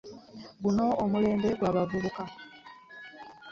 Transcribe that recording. Guno omulembe gwa bavubuka.